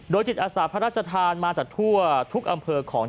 จิตอาสาพระราชทานมาจากทั่วทุกอำเภอของ